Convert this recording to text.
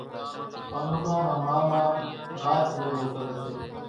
ڪانوڙا نان ما ٻاپ راچ زڳو ڪري سي